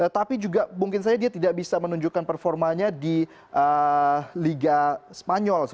tapi juga mungkin saja dia tidak bisa menunjukkan performanya di liga spanyol